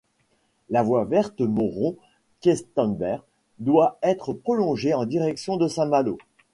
La voie Verte Mauron Questembert doit être prolongée en direction de Saint-Malo.